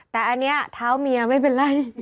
แต่อันนี้เท้าเมียไม่เป็นไร